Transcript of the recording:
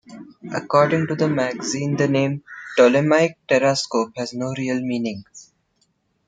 According to the magazine, the name "Ptolemaic Terrascope" has no real meaning.